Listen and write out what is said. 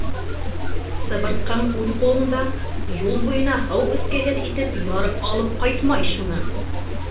Сыбыртҡың үҙ ҡулыңда, юл буйына һыу эскеһеҙ итеп ярып алып ҡайтмай шуны!